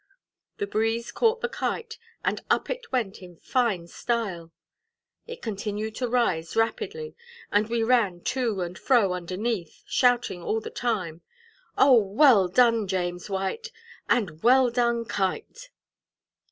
The breeze caught the Kite, and up it went in fine style. It continued to rise rapidly, and we ran to and fro underneath, shouting all the time, "O, well done, James White, and well done, Kite!"